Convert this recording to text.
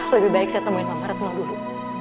lebih baik saya temuin sama retno dulu